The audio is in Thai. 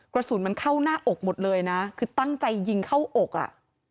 กระสุนมันเข้าหน้าอกหมดเลยนะคือตั้งใจยิงเข้าอกอ่ะ